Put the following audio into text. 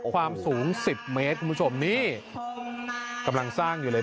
ความสูง๑๐เมตรคุณผู้ชมนี่กำลังสร้างอยู่เลย